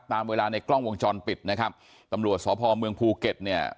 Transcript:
ตามเวลาในกล้องวงจรปิดนะครับตำรวจสพเมืองภูเก็ตเนี่ย